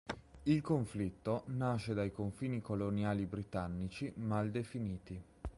Il conflitto nasce dai confini coloniali britannici mal definiti.